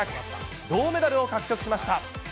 銅メダルを獲得しました。